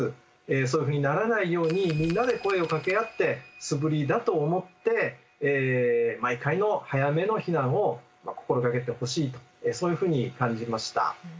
そういうふうにならないようにみんなで声をかけ合って素振りだと思って毎回の早めの避難を心がけてほしいとそういうふうに感じました。